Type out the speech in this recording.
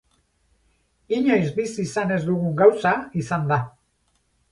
Inoiz bizi izan ez dugun gauza izan da.